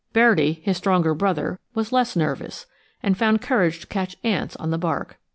Bairdi, his strong brother, was less nervous, and found courage to catch ants on the bark.